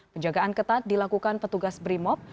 penjagaan ketat dilakukan petugas brimob